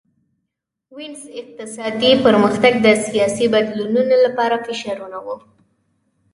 د وینز اقتصادي پرمختګ د سیاسي بدلونونو لپاره فشارونه وو